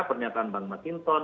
pernyataan mbak macinton